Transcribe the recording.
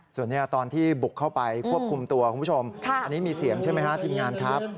ส่วนนี้ตอนที่บุกเข้าไปควบคุมตัวคุณผู้ชมอันนี้มีเสียงใช่ไหมฮะทีมงานครับ